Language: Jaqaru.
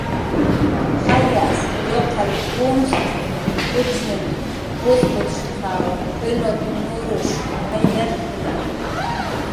"Jayas lluqallkunsq kuchin p""usputp""shqaw pilut nurush jayllatkna."